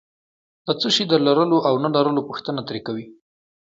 د څه شي د لرلو او نه لرلو پوښتنه ترې کوي.